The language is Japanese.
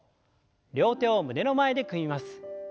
両手を胸の前で組みます。